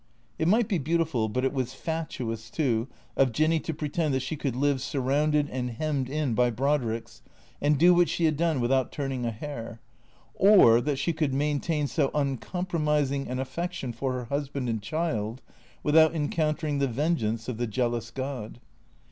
It might be beautiful, but it was fatuous, too, of Jinny to pretend that she could live surrounded and hemmed in by Brodricks and do what she had done without turning a hair, or that she could maintain so uncompromising an affection for her husband and child without encountering the vengeance of the. jealous god.